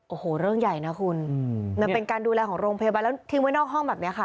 โอ้โหเรื่องใหญ่นะคุณมันเป็นการดูแลของโรงพยาบาลแล้วทิ้งไว้นอกห้องแบบนี้ค่ะ